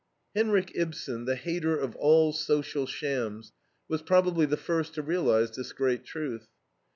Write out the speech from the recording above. Henrik Ibsen, the hater of all social shams, was probably the first to realize this great truth.